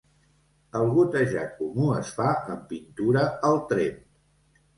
El gotejat comú es fa amb pintura al tremp.